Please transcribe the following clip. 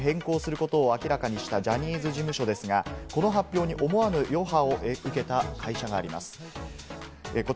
社名をＳＭＩＬＥ‐ＵＰ．に変更することを明らかにしたジャニーズ事務所ですが、この発表に思わぬ余波を受けた会社があります。